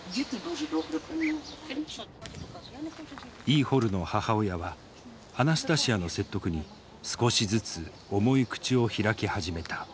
イーホルの母親はアナスタシヤの説得に少しずつ重い口を開き始めた。